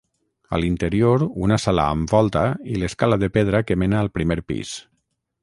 A l'interior una sala amb volta i l'escala de pedra que mena al primer pis.